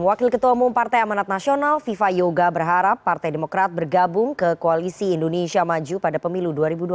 wakil ketua umum partai amanat nasional viva yoga berharap partai demokrat bergabung ke koalisi indonesia maju pada pemilu dua ribu dua puluh